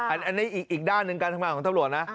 อันนี้อีกด้านหนึ่งการทำงานของตำรวจนะ